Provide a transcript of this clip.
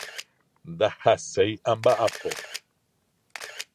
Ndahaséi amba'apo.